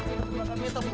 ini anak bu